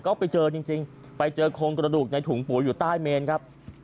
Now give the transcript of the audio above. ก็ไปเจอจริงไปเจอโครงกระดูกในถุงปุ๋ยอยู่ใต้เมนครับ